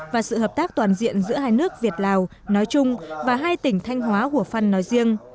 và sự hợp tác toàn diện giữa hai nước việt lào nói chung và hai tỉnh thanh hóa hủa phăn nói riêng